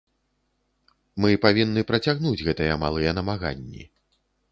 Мы павінны працягнуць гэтыя малыя намаганні.